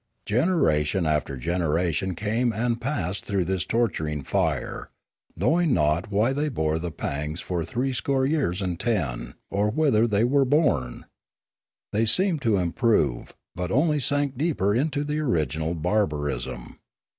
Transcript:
Generation after generation came and passed through this torturing fire, knowing not why they bore the pangs for threescore years and ten, or whither they were borne. They seemed to improve, but only sank deeper into the original barbarism.